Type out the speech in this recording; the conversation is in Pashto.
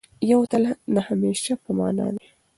یو تل د همېشه په مانا دی.